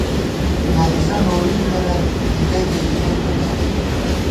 نہ دِݪہ نوری دِتَنَئیت ، ڈِکَئیکے ژِمېت می نئ